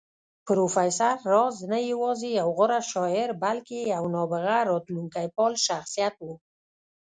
پروفېسر راز نه يوازې يو غوره شاعر بلکې يو نابغه راتلونکی پال شخصيت و